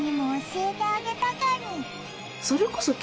それこそ。